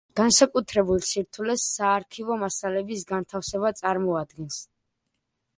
განსაკუთრებულ სირთულეს საარქივო მასალების განთავსება წარმოადგენს.